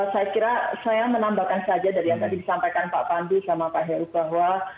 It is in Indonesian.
saya kira saya menambahkan saja dari yang tadi disampaikan pak pandu sama pak heru bahwa